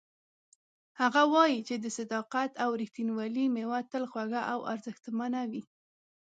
هغه وایي چې د صداقت او ریښتینولۍ میوه تل خوږه او ارزښتمنه وي